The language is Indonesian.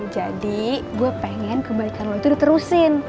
jadi gue pengen kebaikan lo itu diterusin